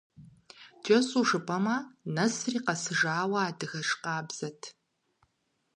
КӀэщӀу жыпӀэмэ, нэсри къэсыжауэ адыгэш къабзэт.